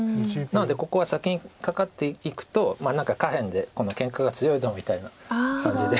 なのでここは先にカカっていくと何か下辺でけんかが強いぞみたいな。